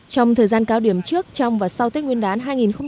trong thời gian cao điểm trước trong và sau tết nguyên đán hai nghìn một mươi chín